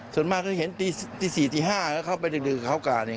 ส่วนมากก็เห็นตี๔ตี๕แล้วเข้าไปดึกเขากาเนี่ย